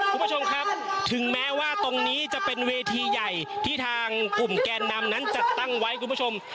คุณผู้ชมครับถึงแม้ว่าตรงนี้จะเป็นเวทีใหญ่ที่ทางกลุ่มแกนนำนั้นจัดตั้งไว้คุณผู้ชม